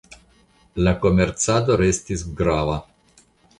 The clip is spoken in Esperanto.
La komercado restis grava.